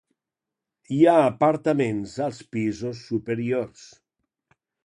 Hi ha apartaments als pisos superiors.